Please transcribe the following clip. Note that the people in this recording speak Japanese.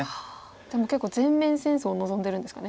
じゃあもう結構全面戦争を望んでるんですかね。